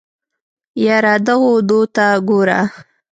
يره دغو دوو ته ګوره.